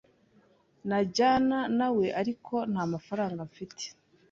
Najyana nawe, ariko ntamafaranga mfite.